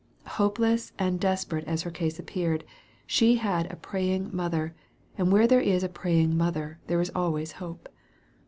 Hopeless and desperate as her case appeared, she had a praying mother, and where there is a praying mother there is always hope.